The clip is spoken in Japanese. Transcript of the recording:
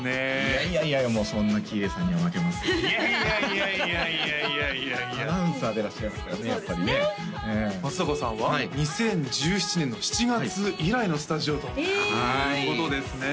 いやいやいやもうそんな喜入さんには負けますけどいやいやいやいやいやいやいやいやアナウンサーでいらっしゃいますからねやっぱりね松阪さんは２０１７年の７月以来のスタジオということですね